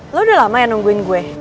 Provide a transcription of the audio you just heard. lo udah lama ya nungguin gue